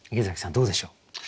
どうでしょう？